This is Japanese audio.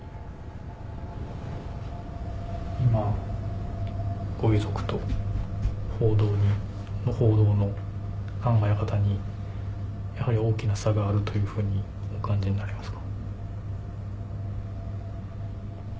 今ご遺族と報道の考え方に大きな差があるというふうにお感じになりますか？